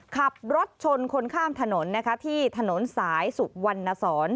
ขับรถชนคนข้ามถนนที่ถนนสายสุวรรณสอน